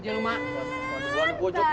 aduh aduh aduh